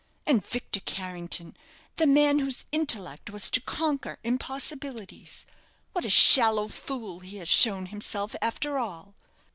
And Victor Carrington, the man whose intellect was to conquer impossibilities, what a shallow fool he has shown himself, after all!